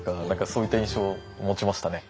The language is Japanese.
そういった印象を持ちましたね。